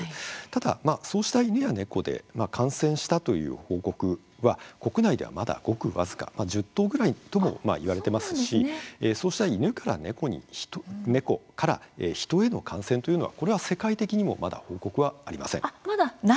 ただ、そうした犬や猫で感染したという報告は国内では、まだごく僅か１０頭ぐらいとも言われてますしそうした犬や猫から人への感染というのは、これは世界的にもまだ報告はありません。